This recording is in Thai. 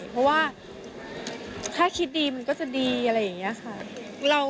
เพราะว่าถ้าคิดดีมันก็จะดีอะไรอย่างนี้ค่ะ